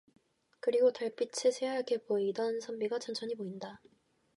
그리고 달빛에 새하얗게 보이던 선비가 천천히 보인다.